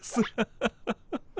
ハハハハ。